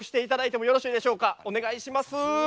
お願いします。